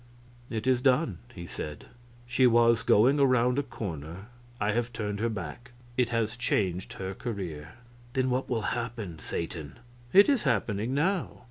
"It is done," he said; "she was going around a corner; I have turned her back; it has changed her career." "Then what will happen, Satan?" "It is happening now.